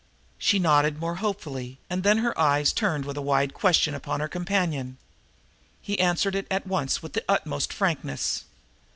She nodded more hopefully, and then her eyes turned with a wide question upon her companion. He answered it at once with the utmost frankness.